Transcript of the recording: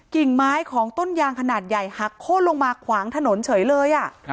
กิ่งไม้ของต้นยางขนาดใหญ่หักโค้นลงมาขวางถนนเฉยเลย